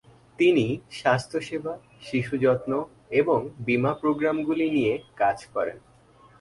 তিনি স্বাস্থ্যসেবা, শিশু যত্ন এবং বীমা প্রোগ্রামগুলি নিয়ে কাজ করেন।